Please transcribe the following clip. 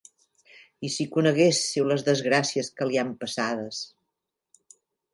I si coneguéssiu les desgràcies que li han passades.